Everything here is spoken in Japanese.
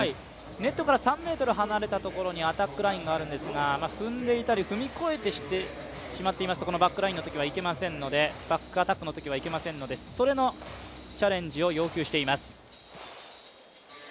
ネットから３ｍ離れたところにアタックラインがあるんですが踏んでいたり踏み越えてしまっていますとバックアタックのときはいけませんのでそれのチャレンジを要求しています。